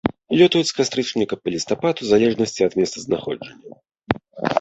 Лётаюць з кастрычніка па лістапад у залежнасці ад месцазнаходжання.